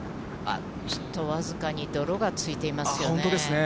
ちょっと僅かに泥がついていますよね。